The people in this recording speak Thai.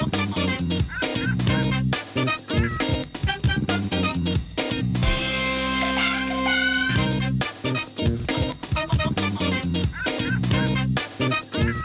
วันนี้ไปกันก่อนแล้วค่ะสวัสดีค่ะ